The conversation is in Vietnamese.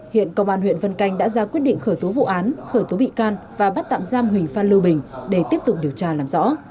hiện công an huyện vân canh đã ra quyết định khởi tố vụ án khởi tố bị can và bắt tạm giam huỳnh phan lưu bình để tiếp tục điều tra làm rõ